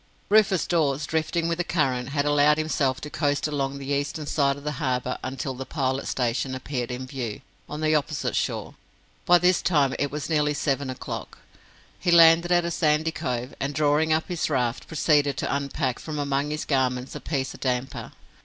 Rufus Dawes, drifting with the current, had allowed himself to coast along the eastern side of the harbour until the Pilot Station appeared in view on the opposite shore. By this time it was nearly seven o'clock. He landed at a sandy cove, and drawing up his raft, proceeded to unpack from among his garments a piece of damper.